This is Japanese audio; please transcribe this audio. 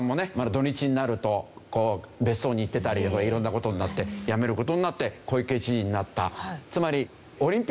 土日になると別荘に行ってたりとか色んな事になって辞める事になって小池知事になった。